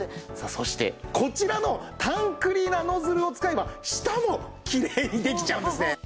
そしてこちらのタンクリーナーノズルを使えば舌もきれいにできちゃうんですね。